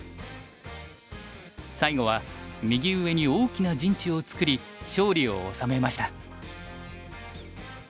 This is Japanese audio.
最後は右上に大きな陣地を作り勝利を収めました。